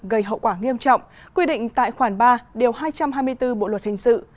gây hậu quả nghiêm trọng quy định tại khoản ba điều hai trăm hai mươi bốn bộ luật hình sự